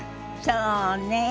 そうね。